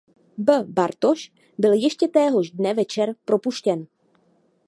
B. Bartoš byl ještě téhož dne večer propuštěn.